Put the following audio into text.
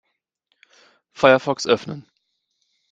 Firefox öffnen.